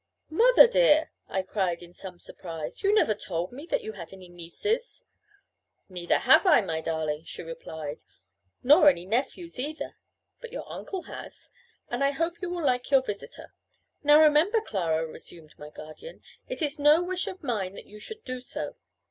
"Mother dear," I cried in some surprise, "you never told me that you had any nieces." "Neither have I, my darling," she replied, "nor any nephews either; but your uncle has; and I hope you will like your visitor." "Now remember, Clara," resumed my guardian, "it is no wish of mine that you should do so.